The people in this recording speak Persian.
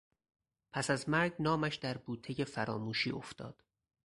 پس از مرگ نامش در بوتهی فراموشی افتاد.